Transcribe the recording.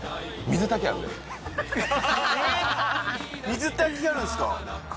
水炊きがあるんすか？